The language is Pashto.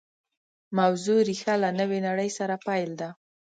موضوع ریښه له نوې نړۍ سره پیل ده